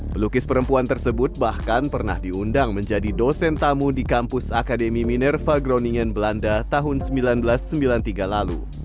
pelukis perempuan tersebut bahkan pernah diundang menjadi dosen tamu di kampus akademi minerva groningan belanda tahun seribu sembilan ratus sembilan puluh tiga lalu